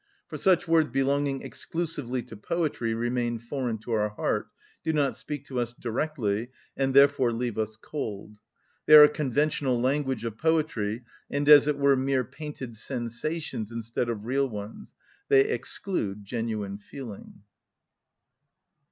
For such words belonging exclusively to poetry remain foreign to our heart, do not speak to us directly, and therefore leave us cold. They are a conventional language of poetry, and as it were mere painted sensations instead of real ones: they exclude genuine feeling.